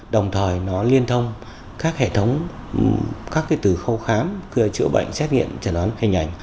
đồng thời nó liên thông các hệ thống các từ khâu khám chữa bệnh xét nghiệm chẩn đoán hình ảnh